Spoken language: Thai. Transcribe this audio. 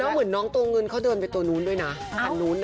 เหมือนน้องตัวเงินเขาเดินไปตัวนู้นด้วยนะคันนู้น